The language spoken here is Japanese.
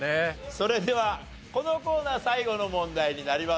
それではこのコーナー最後の問題になります。